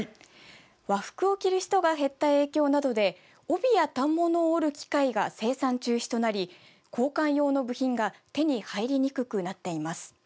和服を着る人が減った影響などで帯や反物を織る機械が生産中止となり交換用の部品が手に入りにくくなっています。